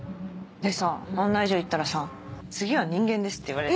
でさ案内所行ったらさ「次は人間です」って言われて。